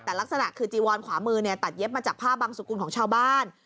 แต่ลักษณะคือจีวอนขวามือเนี่ยตัดเย็บมาจากผ้าบังสุกุลของชาวบ้าน